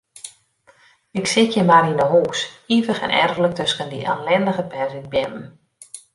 Ik sit hjir mar yn 'e hûs, ivich en erflik tusken dy ellindige perzikbeammen.